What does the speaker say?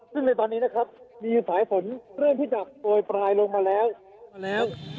ซึ่งเลยตอนนี้นะครับมีสายฝนเริ่มที่จะโดยปลายลงมาแล้ว